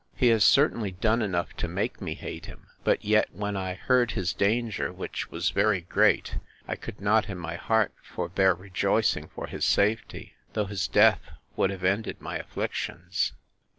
He has certainly done enough to make me hate him; but yet, when I heard his danger, which was very great, I could not in my heart forbear rejoicing for his safety; though his death would have ended my afflictions.